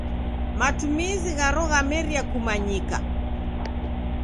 Matumizi gharo ghamerie kumanyika.